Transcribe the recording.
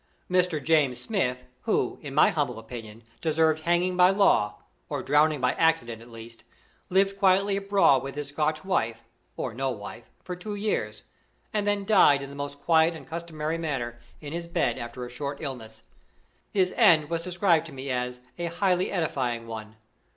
Mr. James Smith, who, in my humble opinion, deserved hanging by law, or drowning by accident at least, lived quietly abroad with his Scotch wife (or no wife) for two years, and then died in the most quiet and customary manner, in his bed, after a short illness. His end was described to me as a "highly edifying one."